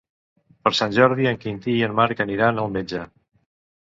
Per Sant Jordi en Quintí i en Marc aniran al metge.